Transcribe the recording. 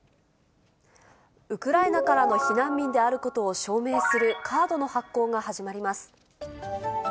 ウクライナからの避難民であることを証明するカードの発行が始まります。